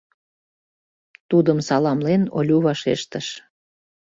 Тудым саламлен, Олю вашештыш.